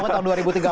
baik itu tuh harung